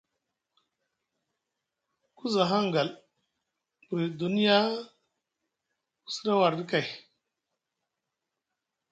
Ku za hangal buri dunya ku sɗa warɗi kay.